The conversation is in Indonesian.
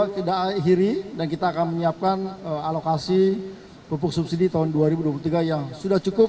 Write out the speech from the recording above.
dua ribu dua puluh dua tidak akhiri dan kita akan menyiapkan alokasi pupuk subsidi tahun dua ribu dua puluh tiga yang sudah cukup